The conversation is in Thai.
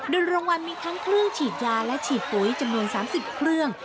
โดยรางวัลมีทั้งเครื่องฉีดยาและฉีดปุ๋ยจำนวน๓๐เครื่อง